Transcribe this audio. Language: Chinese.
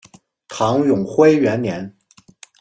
唐永徽元年。